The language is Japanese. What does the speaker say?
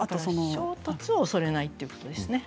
衝突を恐れないということですね。